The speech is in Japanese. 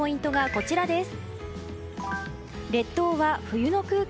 こちらです！